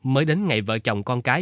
mới đến ngày vợ chồng con cái